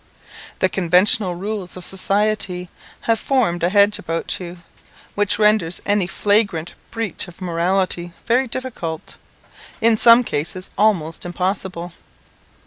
The conventional rules of society have formed a hedge about you, which renders any flagrant breach of morality very difficult, in some cases almost impossible.